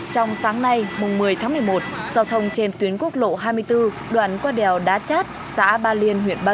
trong sáng nay một mươi tháng một mươi một giao thông trên tuyến quốc lộ hai mươi bốn đoạn qua đèo đá chát xã ba liên huyện ba